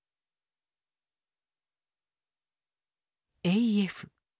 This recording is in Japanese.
ＡＦ。